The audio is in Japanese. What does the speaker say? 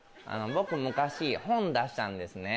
僕昔本出したんですね。